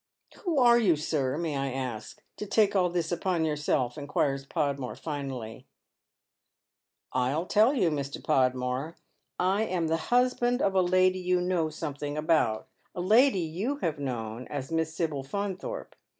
" Who are you, sir, may I ask, to take all this upon yourself ?" inquires Podmore, finally. " I'll tell you, Mr. Podmore. I am the husband of a lady you know something about ; a lady you have known as Miss Sibyl Faunthorpe.